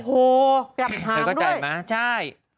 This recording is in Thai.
โอ้โฮแบบหางด้วยเธอเข้าใจไหมใช่